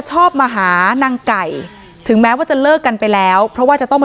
ชอบมาหานางไก่ถึงแม้ว่าจะเลิกกันไปแล้วเพราะว่าจะต้องมา